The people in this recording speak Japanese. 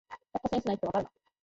やっぱセンスないってわかるな